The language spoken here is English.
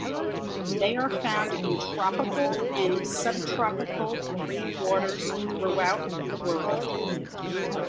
They are found in tropical and subtropical marine waters throughout the world.